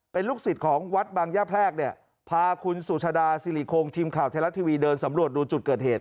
เป็นลูกศิษย์ของวัดบางย่าแพรกเนี่ยพาคุณสุชาดาสิริคงทีมข่าวไทยรัฐทีวีเดินสำรวจดูจุดเกิดเหตุ